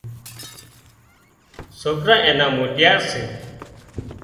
سوڪران اين موٽيار سي